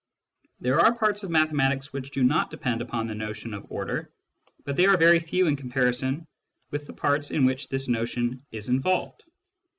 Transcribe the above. There are parts of mathematics which do not depend upon the notion of order, but they are very few in comparison with the parts in which this notion is involved.